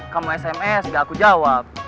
kamu sms gak aku jawab